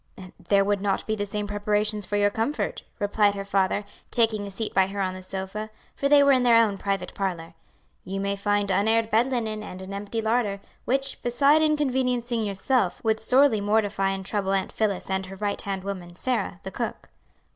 "There would not be the same preparations for your comfort," replied her father, taking a seat by her on the sofa, for they were in their own private parlor; "you may find unaired bed linen and an empty larder, which, beside inconveniencing yourself, would sorely mortify and trouble Aunt Phillis and her right hand woman, Sarah, the cook."